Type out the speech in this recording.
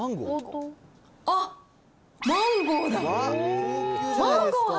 あっ、マンゴーだ。